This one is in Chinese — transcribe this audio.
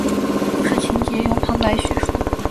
故事情节由旁白叙述。